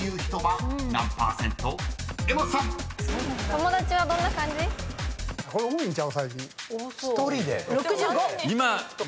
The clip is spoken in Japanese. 友達はどんな感じ？